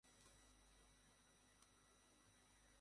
অন্ধকার ঘরে প্রবেশ করলেন।